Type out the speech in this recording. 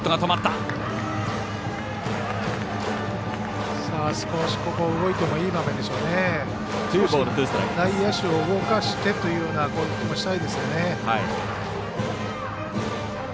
内野手を動かしてというような攻撃もしたいですよね。